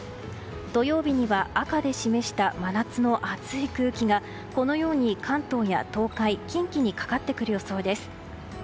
土曜日には赤で示した真夏の暑い空気がこのように関東や東海近畿にかかってくる予想です。